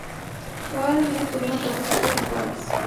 Probablemente tuvieron propósitos rituales.